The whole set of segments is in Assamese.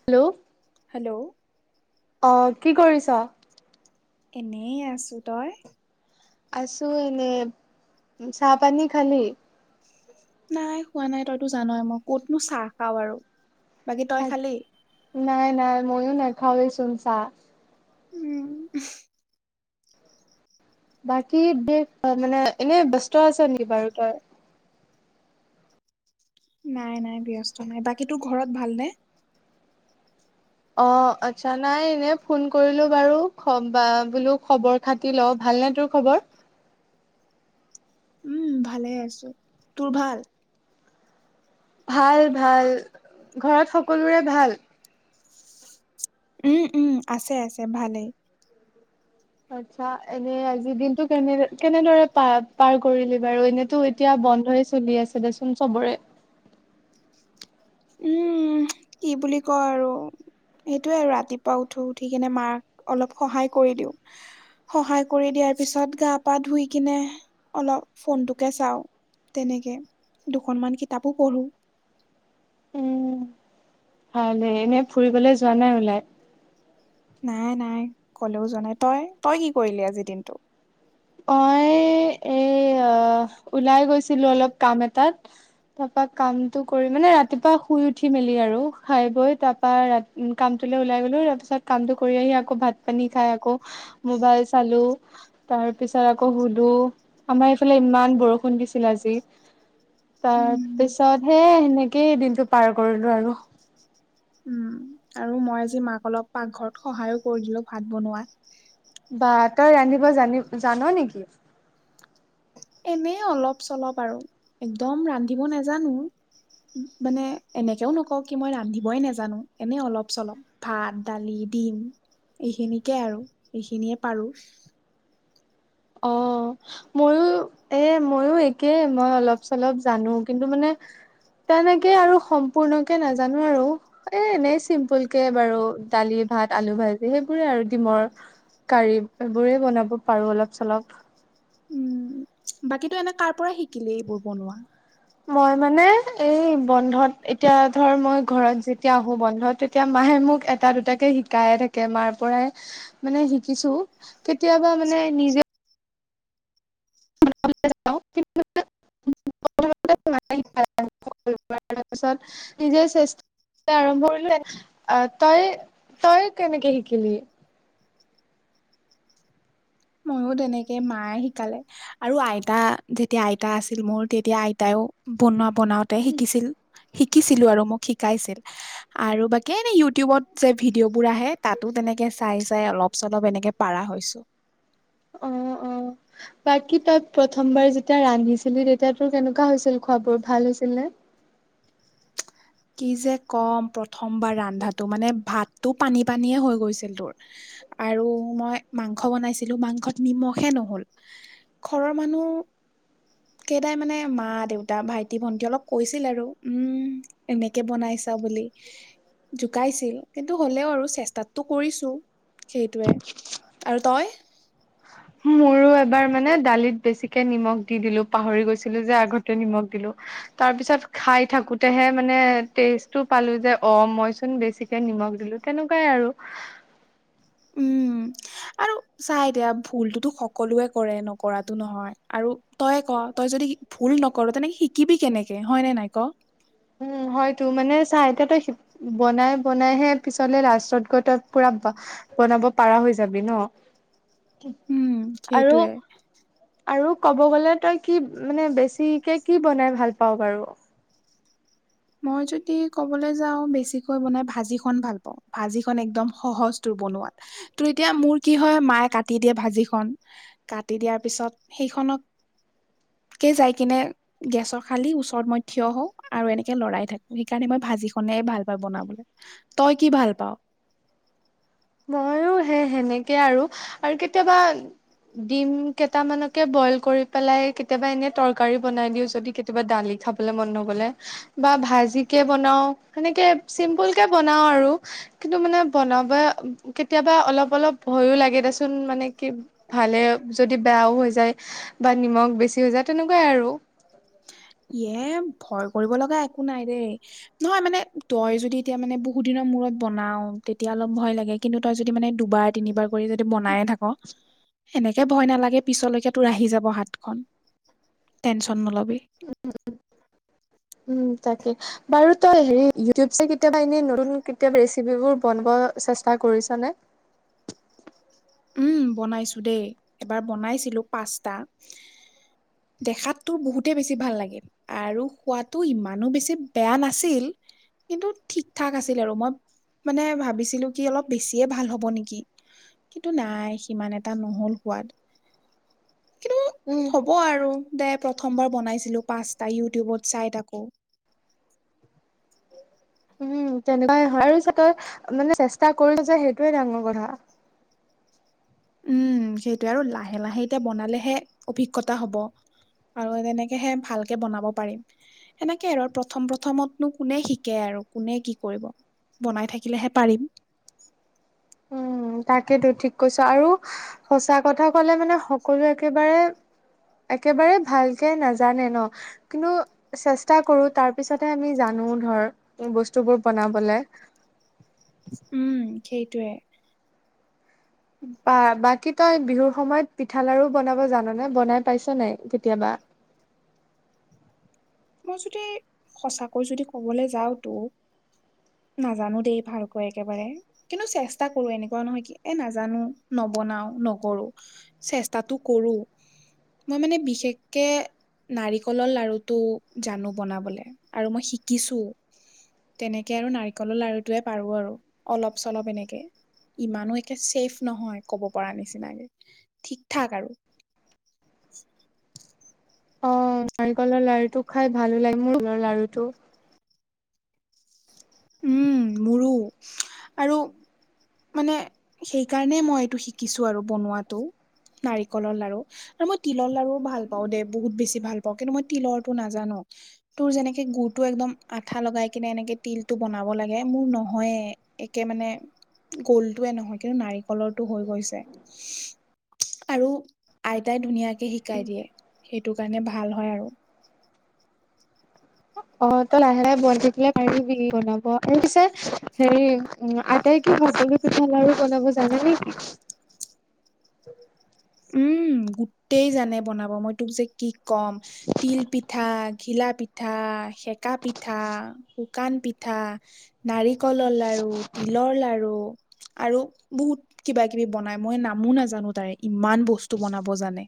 হেল্ল হেল্ল' এনেই আছো তই আছো এনে চাহ পানী খালি নাই খোৱা নাই তইতো জানয়ে মই কতনো চাহ খাও আৰু বাকী তই খালি নাই নাই ময়ো নাখাওঁৱেইচোন চাহ উম বাকী দেশ মানে এনে ব্যস্ত আছা নেকি বাৰু তই নাই নাই ব্যস্ত নাই বাকী তোৰ ঘৰত ভাল নে অ আচ্ছা নাই এনে ফোন কৰিলো বাৰু বোলো খবৰ খাটি ল ভালনে তোৰ খবৰ উম ভালে আছো তোৰ ভাল ভাল ভাল ঘৰত সকলোৰে ভাল উম উম আছে আছে ভালেই আত্ছা এনেই আজি দিনটো কেনে কেনেদৰে প পাৰ কৰিলি বাৰু এনেতো এতিয়া বন্ধই চলি আছে দেচোন চবৰে উম কি বুলি কয় আৰু সেইটোৱে আৰু ৰাতিপুৱা উঠো, উঠি কিনে মাক অলপ সহায় কৰি দিওঁ। সহায় কৰি দিয়াৰ পিছত গা পা ধুই কিনে অলপ ফোনটোকে চাওঁ। তেনেকে দুখনমান কিতাপো পঢ়ো। ভাল, এনেই ফুৰিবলৈ যোৱা নাই ওলাই? নাই নাই কলেও জোৱা নাই তই তই কি কৰিলি আজি দিনটো? অ' এই ওলাই গৈছিলো অলপ কাম এটাত তাৰপা কামটো কৰি মানে ৰাতিপুৱা শুই উঠি মেলি আৰু খাই বৈ তাৰ পা ৰা উ কামটোলৈ ওলাই গ'লো, তাৰ পিছত কামটো কৰি আহি আকৌ ভাত পানী খাই আকৌ মোবাইল চালো, তাৰ তাৰ পিছত আকৌ শুলো, আমাৰ এইফালে ইমান বৰষুণ দিছিল আজি। তাৰ উম পিছত হে সেনেকেই দিনটো পাৰ কৰিলো আৰু। উম। আৰু মই আজি মাক অলপ পাকঘৰত সহায়ো কৰি দিলো ভাত বনোৱা। বা তই ৰান্ধিব জানি জান নেকি? এনেই অলপ চলপ আৰু একদম ৰান্ধিব নাজানো। মানে এনেকেও নকওঁ কি মই ৰান্ধিবই নোজানো, এনেই অলপ চলপ। ভাত দালি ডিম এইখিনিকে আৰু এইখিনিয়ে পাৰো। অ' ময়ো এ ময়ো একেই মই অলপ চলপ জানো। কিন্তু মানে তেনেকে আৰু সম্পূৰ্ণকে নাজানো আৰু। এ এনেই চিম্পুল কে বাৰু দালি ভাত আলু ভাজি সেইবোৰে আৰু ডিমৰ কাৰী এইবোৰেই বনাব পাৰো অলপ চলপ। বাকীটো এনে কাৰ পৰা শিকিলে এইবোৰ বনোৱা? মই মানে এই বন্ধত এতিয়া ধৰ মই ঘৰত যেতিয়া আহো বন্ধ এতিয়া মায়ে মোক এটা দুটাকে শিকায়ে থাকে। মাৰ পৰাই মানে শিকিছো। কেতিয়াবা মানে নিজে [unintelligible] পাছত নিজে চেষ্ট [unintelligible] আৰম্ভ কৰিলো, অ' তই তই কেনেকে শিকিলি? ময়ও তেনেকে মায়ে শিকালে, আৰু আইতা যেতিয়া আইতা আছিল মোৰ তেতিয়া আইতাইও বনোৱা বনাওতে শিকিছিল, শিকিছিলো আৰু মোক শিকাইছিল। আৰু বাকী এনে ইউটিউবত যে ভিডিঅ' বোৰ আহে, তাতো তেনেকে চাই চাই অলপ চলপ এনেকে পাৰা হৈছো। অ' অ'। বাকী তই প্ৰথমবাৰ যেতিয়া ৰান্ধিছিলি তেতিয়া তোৰ কেনেকুৱা হৈছিল খোৱ বোৰ ভাল হৈছিল নে? কি যে ক'ম প্ৰথমবাৰ ৰন্ধাটো মানে ভাতটো পানী পানীয়ে হৈ গৈছিল তোৰ। আৰু মই মাংস বনাইছিলো মাংসত নিমখে নহ'ল। ঘৰৰ মানুহ কেইটাই মানে মা দেউতা ভাইটি ভন্টি অলপ কৈছিল আৰু, উম এনেকে বনাইছা বুলি। জোকাইছিল, কিন্তু হ'লেওঁ আৰু চেষ্টাতটো কৰিছো সেইটোৱে। আৰু তই। মোৰো এবাৰ মানে দালিত বেছিকে নিমখ দি দিলো পাহৰি গৈছিলো যে আগতে নিমখ দিলো। তাৰ পিছত খাই থাকোতেহে মানে টেষ্টটো পালো যে অ' মইচোন বেছি এতিয়া নিমখ দিলো, তেনেকুৱাই আৰু। উম। আৰু চা এতিয়া ভুলতোতো সকলোৱে কৰে, নকৰাতটো নহয় আৰু তইে ক তই যদি ভুল নকৰো তেনেকে শিকিবি কেনেকে হয়নে নাই ক? উম হয়তো, মানে চা এতিয়া তই শ বনাই বনাইহে পিছলে লাষ্টত গৈ তই পুৰা বনাব পাৰা হৈ যাবি ন কি উম আৰু সেইটোৱে আৰু ক'ব গ'লে তই কি মানে বেছিকে কি বনাই ভাল পাওঁ বাৰু। মই যদি ক'বলৈ যাওঁ বেছিকৈ বনাই ভাজিখন ভাল পাওঁ, ভাজিখন একদম সহজ তোৰ বনোৱাত। ত, এতিয়া মোৰ কি হয় মায়ে কাটি দিয়ে ভাজিখন। কাটি দিয়াৰ পিছত সেইখনক। কে যাই কিনে গেছৰ খালি ওচৰত মই থিয় হওঁ আৰু এনে লৰাই থাকো, সেইকাৰণে মই ভাজি খনে ভাল পাওঁ বনাবলৈ। তই কি ভাল পাওঁ। মইয়ো সেই সেনেকে আৰু আৰু কেতিয়াবা ডিম কেইটামানকে বইল কৰি পেলাই কেতিয়াবা এনে তৰকাৰী বনাই দিওঁ যদি। কিবা দালি খাবলে মন নগ'লেও বা ভাজিকে বনাওঁ। সেনেকৈ চিম্পুলকৈ বনাওঁ আৰু কিন্তু মানে বনাব কেতিয়াবা অলপ অলপ ভয়ো লাগে দেচোন মানে কি ভালে যদি বেয়াও হৈ যায়। বা নিমখ বেছি হৈ যায়, তেনেকুৱাই আৰু এয়ে ভয় কৰিব লগা একো নাই দেই। নহয় মানে তই যদি এতিয়া মানে বহুত দিনৰ মূৰত বনাওঁ, তেতিয়া অলপ ভয় লাগে, কিন্তু তই যদি মানে দুবাৰ তিনিবাৰ কৰি যদি বনায়ে থাক। এনেকে ভয় নালাগে, পিছলৈকে তোৰ আহি যাব হাতখনন টেনচন নলবি। উম, উম, উম, তাকে। বাৰু তই হেৰি ইউটিউব চাই কেতিয়াবা এনে নতুন কেতিয়াবা ৰেচিপিবোৰ বনোৱা চেষ্টা কৰিছ নে? উম, বনাইছো দেই, এবাৰ বনাইছিলো পাস্তা। দেখাততো বহুতেই বেছি ভাল লাগিল। আৰু খোৱাতটো ইমানো বেছি বেয়া নাছিল। কিন্তু ঠিক ঠাক আছিল আৰু মই মানে ভাবিছিলো কি অলপ বেছিয়ে ভাল হ'ব নেকি? কিন্তু, নাই সিমান এটা নহ'ল সোৱাদ। উম। ক'ৰ আৰু দে প্ৰথমবাৰ বনাইছিলো পাঁচস্তা ইউটিউবত চাই থাকো। উম, তেনেকুৱাই হয় আৰু চ তই মানে চেষ্টা কৰো যে সেইটোয়ে ডাঙৰ কথা। উম, সেইটোৱে আৰু লাহে লাহে এতিয়া বনালেহে অভিজ্ঞতা হ'ব। আৰু তেনেকেহে ভালকে বনাব পাৰিম। সেনেকে আৰু প্ৰথম প্ৰথমতনো কোনে শিকে আৰু কোনে কি কৰিব। বনাই থাকিলেহে পাৰিম। উম, টাকেইতো ঠিক কৈছোঁ আৰু সচাঁ কথা ক'লে মানে সকলো একেবাৰে। একেবাৰে ভালকে নাজানে ন। কিন্তু, চেষ্টা কৰো তাৰ পিছতহে আমি জানো ধৰ বস্তুবোৰ বনাবলে। উম, সেইটোৱে। বা বাকী তই বিহুৰ সময়ত পিঠা লাৰুও বনাব জানানে? বনাই পাইছ নাই কেতিয়াবা? মই যদি সঁচাকৈ যদি ক'বলৈ যাওঁতো। নাজানো দেই ভালকৈ একেবাৰে। কিন্তু চেষ্টা কৰো, এনেকুৱা নহয় কি এ নাজানো নবনাও, নকৰো। চেষ্টাটো কৰো। মই মানে বিশেষকে নাৰিকলৰ লাৰুটো। জানো বনাবলে আৰু মই শিকিছোঁ। তেনেকে আৰু নাৰিকলৰ লাৰুটোৱে পাৰো আৰু অলপ চলপ এনেকে। ইমানো একে ছেফ নহয় ক'ব পৰা নিচিনাকে ঠিক ঠাক আৰু। অ' নাৰিকলৰ লাৰু টো খাই ভালো লাগে, মোৰ প্ৰিয় লাৰুটো। উম, মোৰো আৰু। মানে সেইকাৰণে মই এইটো শিকিছোঁ আৰু বনোৱাটো। নাৰিকলৰ লাৰু আৰু মই তিলৰ লাৰুও ভাল পাওঁ দেই বহুত বেছি ভাল পাওঁ। কিন্তু, মই তিলৰটো নাজানো। তোৰ যেনেকে গুুৰটো একদম আঠা লগাই কিনে এনেকে তিলটো বনাব লাগে মোৰ নহয়ে। একে মানে গোলটোৱে নহয় কিন্তু নাৰিকলৰটো হৈ গৈছে আৰু আইতাই ধুনীয়াকে শিকাই দিয়ে সেইটো কাৰণে ভাল হয় আৰু অ', তই লাহে লাহে বইল কৰি পেলাই পাৰিবি বনাব আৰু পিছে হেৰি উম আইতাই কি ভকলি পিঠা লাৰু বনাব জানে নেকি? উম গোটেই জানে বনাব মই তোক যে কি ক'ম তিল পিঠা, ঘিলা পিঠা, সেকা পিঠা, শুকান পিঠা, নাৰিকলৰ লাৰু, তিলৰ লাৰু, আৰু বহুত কিবা কিবি বনাই মই নামো নাজানো তাৰে ইমান বস্তু বনাব জানে।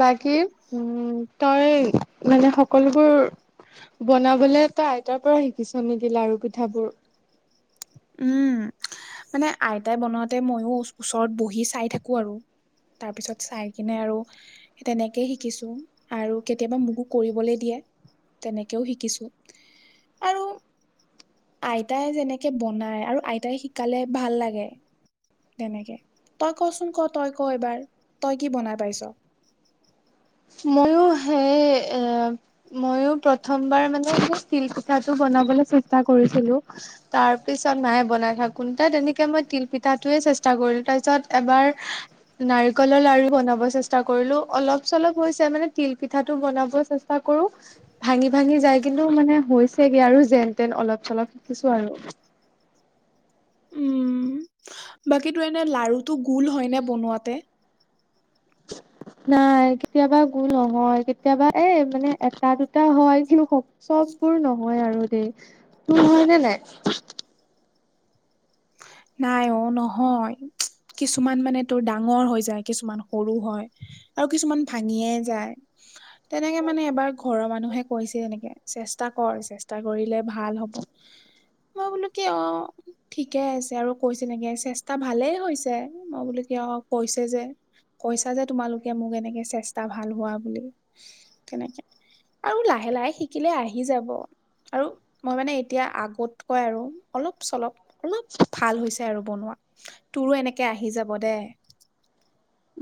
বাকী উম তই মানে সকলোবোৰ বনাবলে তই আইতাৰ পৰা শিকিছ নেকি লাৰু পিঠাবোৰ উম মানে আইতাই বনাওঁতে মইও ওচৰত বহি চাই থাকো আৰু তাৰপিছত চাই কিনে আৰু তেনেকেই শিকিছো আৰু কেতিয়াবা মোকো কৰিবলৈ দিয়ে তেনেকেও শিকিছো আৰু আইতাই যেনেকে বনাই আৰু আইতাই শিকালে ভাল লাগে তেনেকে তই কচোন ক তই ক এবাৰ তই কি বনাই পাইছ ময়ো সেই এ মইও প্ৰথমবাৰ মানে এ তিল পিঠাটো বনাবলৈ চেষ্টা কৰিছিলো তাৰপিছত মায়ে বনাই থাকোতে তেনেকে মই তিল পিঠাটোৱে চেষ্টা কৰিলো তাৰপিছত এবাৰ নাৰিকলৰ লাৰু বনাব চেষ্টা কৰিলো অলপ চলপ হৈছে মানে তিল পিঠাটো বনাব চেষ্টা কৰো ভাঙি ভাঙি যাই কিন্তু মানে হৈছেগে আৰু যেন তেন অলপ চলপ শিকিছো আৰু উম বাকী তোৰ এনে লাৰুটো গোল হয়নে বনোৱাতে [inaudible] নাই কেতিয়াবা গুল নহয় কেতিয়াবা এ মানে এটা দুটা হয় কিন্তু চববোৰ নহয় আৰু দেই তোৰ হয় নে নাই নাই অ নহয় কিছুমান মানে তোৰ ডাঙৰ হৈ যায় কিছুমান সৰু হয় আৰু কিছুমান ভাঙিয়ে যায়। তেনেকে মানে এবাৰ ঘৰৰ মানুহে কৈছে তেনেকে চেষ্টা কৰ চেষ্টা কৰিলে ভা ভাল হব মই বোলো কি অ' ঠিকে আছে আৰু কৈছে নেকি চেষ্টা ভালেই হৈছে মই বুলো কিয় কৈছে যে কৈছা যে তোমালোকে মোক এনেকে চেষ্টা ভাল হোৱা বুলি তেনেকে আৰু লাহে লাহে শিকিলে আহি যাব। আৰু মই মানে এতিয়া আগতকৈ আৰু অলপ চলপ অলপ ভাল হৈছে আৰু বনোৱা তোৰো এনেকে আহি যাব দে।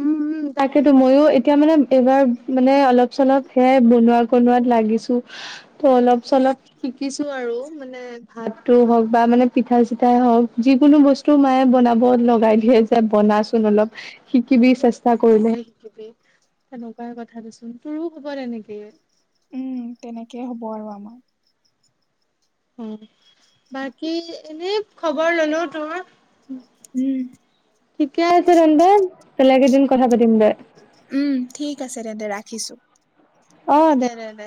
উম উম তাকেতো মইও এতিয়া মানে এইবাৰ মানে অলপ চলপ হে বনোৱা কনোৱাত লাগিছো। অলপ চলপ শিকিছো আৰু মানে ভাতো হওক বা মানে পিঠা চিঠাই হওক যিকোনো বস্তু মায়ে বনাব লগাই দিয়ে। বনাচোন অলপ শিকিবি চেষ্টা কৰিলেহে শিকিবি তেনেকুৱাই কথাটোচোন তোৰো হব তেনেকেই উম তেনেকে হ'ব আৰু আমাৰ অ', বাকী এনে খবৰ ললো তোৰ উম ঠিকে আছে তেন্তে বেলেগে এদিন কথা পাতিম দে উম ঠিক আছে তেন্তে ৰাখিছো। অ', দে দে